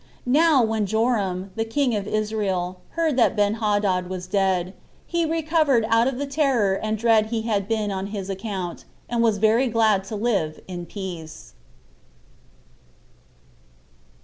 Now when Joram, the king of Israel, heard that Benhadad was dead, he recovered out of the terror and dread he had been in on his account, and was very glad to live in peace.